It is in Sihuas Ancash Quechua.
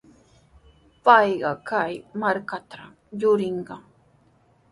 Payqa kay markatrawmi yurirqan.